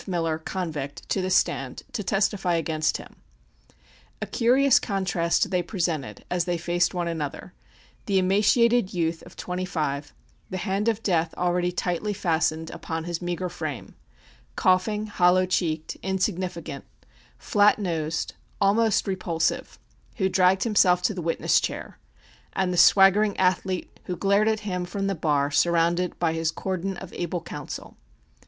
Miller, convict, to the stand to testify against him. A curious contrast they presented as they faced one another; the emaciated youth of twenty five, the hand of Death already tightly fastened upon his meagre frame, coughing, hollow cheeked, insignificant, flat nosed, almost repulsive, who dragged himself to the witness chair, and the swaggering athlete who glared at him from the bar surrounded by his cordon of able counsel.